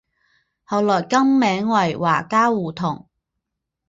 后来更名为华嘉胡同。